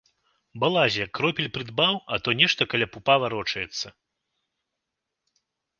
Балазе, кропель прыдбаў, а то нешта каля пупа варочаецца.